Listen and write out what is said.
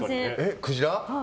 クジラ？